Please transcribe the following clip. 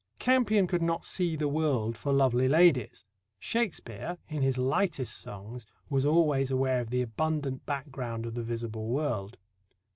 Campion could not see the world for lovely ladies. Shakespeare in his lightest songs was always aware of the abundant background of the visible world.